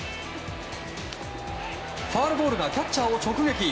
ファウルボールがキャッチャーを直撃。